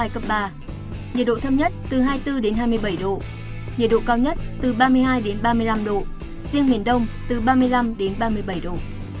nhiệt độ thâm nhất phía nam từ hai mươi bốn hai mươi bảy độ nhiệt độ cao nhất phía nam từ ba mươi hai ba mươi năm độ riêng miền đông từ ba mươi năm ba mươi bảy độ